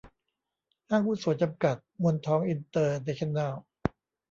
ห้างหุ้นส่วนจำกัด มนทองอินเตอร์เนชั่นแนล